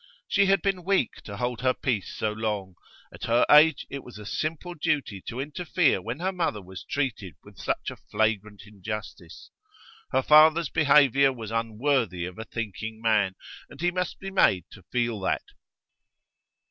She had been weak to hold her peace so long; at her age it was a simple duty to interfere when her mother was treated with such flagrant injustice. Her father's behaviour was unworthy of a thinking man, and he must be made to feel that.